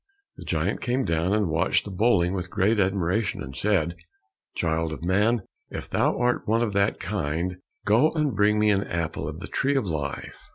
The giant came down and watched the bowling with great admiration, and said, "Child of man, if thou art one of that kind, go and bring me an apple of the tree of life."